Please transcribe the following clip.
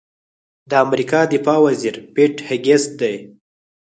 د امریکا دفاع وزیر پیټ هېګسیت دی.